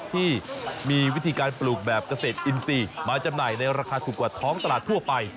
ที่มีวิธีการปลูกแบบเกษตรอินทรีย์มาจำหน่ายในราคาถูกกว่าท้องตลาดทั่วไป